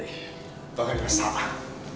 分かりました。